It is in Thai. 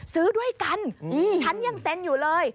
ซื้อด้วยกันฉันยังเซ็นอยู่เลย